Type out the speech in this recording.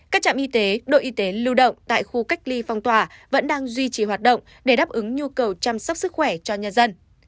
các trạm y tế đội y tế lưu động tại khu cách ly phong tỏa vẫn đang duy trì hoạt động để đáp ứng nhu cầu chăm sóc sức khỏe cho nhân dân